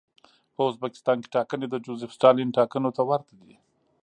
په ازبکستان کې ټاکنې د جوزېف ستالین ټاکنو ته ورته دي.